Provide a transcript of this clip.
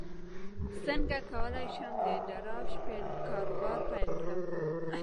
څنګه کولی شم د ډراپ شپینګ کاروبار پیل کړم